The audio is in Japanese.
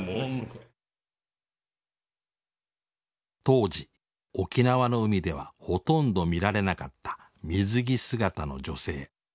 当時沖縄の海ではほとんど見られなかった水着姿の女性。